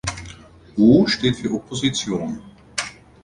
„O“ steht für Opposition.